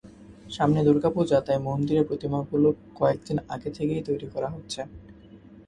সামনে দুর্গাপূজা তাই মন্দিরে প্রতিমাগুলো কয়েক দিন আগে থেকে তৈরি করা হচ্ছে।